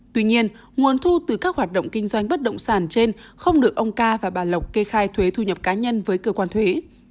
tuy nhiên nguồn thu từ các hoạt động kinh doanh bất động sản trên không được ông ca và bà lộc kê khai thuế thu nhập cá nhân với cơ quan thuế